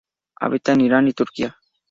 Habita en Irán y Turquía.